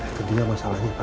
itu dia masalahnya pak